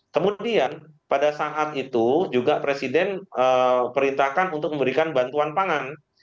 kemudian pada saat itu juga presiden perintahkan untuk memberikan bantuan pangan